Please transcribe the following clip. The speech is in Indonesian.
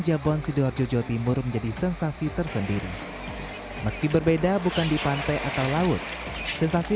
jabon sidoarjo jawa timur menjadi sensasi tersendiri meski berbeda bukan di pantai atau laut sensasi